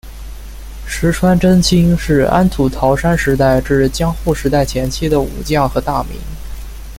石川贞清是安土桃山时代至江户时代前期的武将和大名。